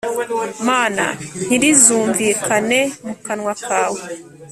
mana ntirizumvikane mu kanwa kawe